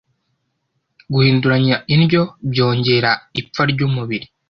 Guhinduranya indyo byongera ipfa ry’umubiri.